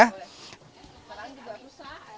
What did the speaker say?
kerannya juga rusak